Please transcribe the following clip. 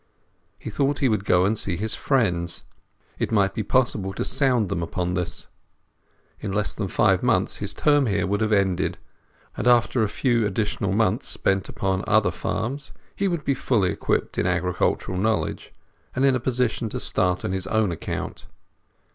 He thought he would go and see his friends. It might be possible to sound them upon this. In less than five months his term here would have ended, and after a few additional months spent upon other farms he would be fully equipped in agricultural knowledge and in a position to start on his own account.